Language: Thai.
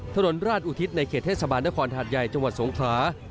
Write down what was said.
ถนนราชอุทิศในเขตเทศบาลนครหาดใหญ่จังหวัดสงครา